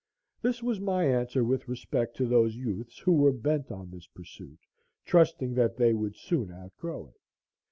This was my answer with respect to those youths who were bent on this pursuit, trusting that they would soon outgrow it.